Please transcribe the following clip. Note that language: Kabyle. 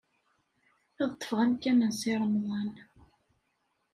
Ad ṭṭfeɣ amkan n Si Remḍan.